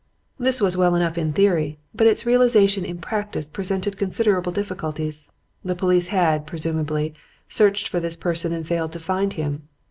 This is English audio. "This was well enough in theory, but its realization in practice presented considerable difficulties. The police had (presumably) searched for this person and failed to find him.